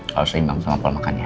harus seimbang sama pola makan ya